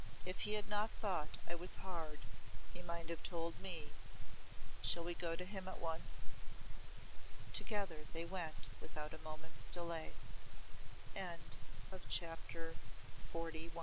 If he had not thought I was hard he might have told me Shall we go to him at once?" Together they went without a moment's delay. CHAPTER XLII The dream had come bac